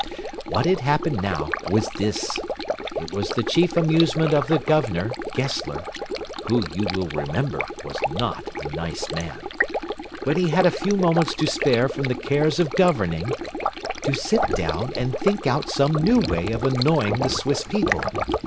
What had happened now was this. It was the chief amusement of the Governor, Gessler (who, you will remember, was not a nice man), when he had a few moments to spare from the cares of governing, to sit down and think out some new way of annoying the Swiss people.